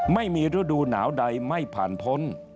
ไม่มีฤดูหนาวดัง